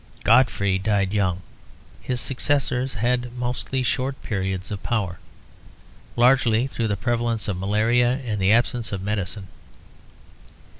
Godfrey died young; his successors had mostly short periods of power, largely through the prevalence of malaria and the absence of medicine.